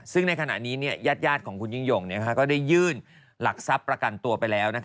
ซึ่งในขณะนี้ญาติของคุณยิ่งยงก็ได้ยื่นหลักทรัพย์ประกันตัวไปแล้ว